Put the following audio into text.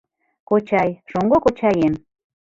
— Кочай, шоҥго кочаем